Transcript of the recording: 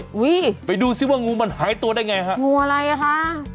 หายตัวได้ด้วยไปดูสิว่างูมันหายตัวได้ไงฮะงูอะไรอ่ะฮะ